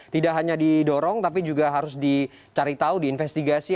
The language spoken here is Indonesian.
tidak hanya didorong tapi juga harus dicari tahu diinvestigasi